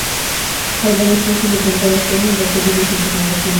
Hay varias clases de pantallas planas de acuerdo con su tecnología.